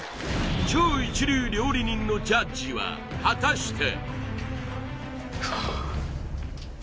超一流料理人のジャッジは果たして！？